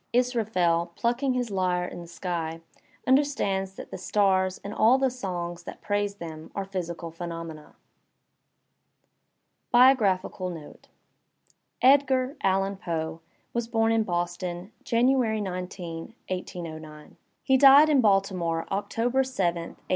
Israf el, plucking his lyre in the sky, understands that the stars and all the songs that praise them are physical phenomena. BIOGBAPHICAL NOTE Edgar (Allan) Poe was bom in Boston, January 19, 1809. He died in Baltimore, October 7, 1849.